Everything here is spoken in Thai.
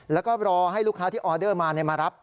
แล้วก็รอให้ลูกค้าที่ออเดอร์มามารับ